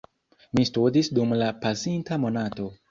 Mi studis dum la pasinta monato.